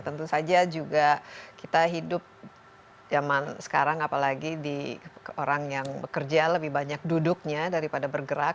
tentu saja juga kita hidup zaman sekarang apalagi di orang yang bekerja lebih banyak duduknya daripada bergerak